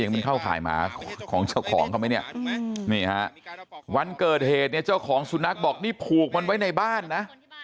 มันเข้าข่ายหมาของเจ้าของเขาไหมเนี่ยนี่ฮะวันเกิดเหตุเนี่ยเจ้าของสุนัขบอกนี่ผูกมันไว้ในบ้านนะ